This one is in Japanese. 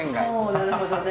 なるほどね。